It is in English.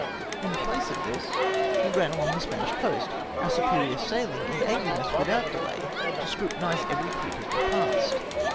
In place of this, we ran along the Spanish coast, our su perior sailing enabhng us, without delay, to scrutinise every creek as we passed.